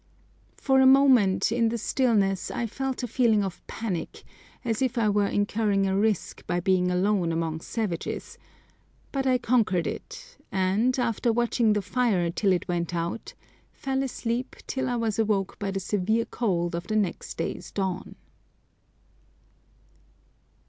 For a moment in the stillness I felt a feeling of panic, as if I were incurring a risk by being alone among savages, but I conquered it, and, after watching the fire till it went out, fell asleep till I was awoke by the severe cold of the next day's dawn.